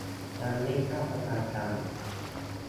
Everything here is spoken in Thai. ยังไม่ทราบชะตากรรม